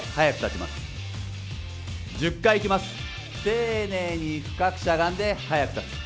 丁寧に深くしゃがんで速く立つ。